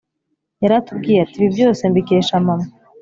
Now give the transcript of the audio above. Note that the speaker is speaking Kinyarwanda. yaratubwiye, ati ibi byose mbikesha mama